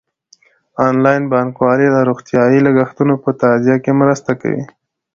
انلاین بانکوالي د روغتیايي لګښتونو په تادیه کې مرسته کوي.